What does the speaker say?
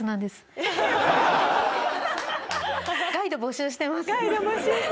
ガイド募集してる。